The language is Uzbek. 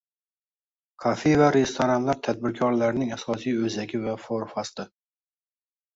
Kafe va restoranlar tadbirkorlarning asosiy oʻzagi va forposti.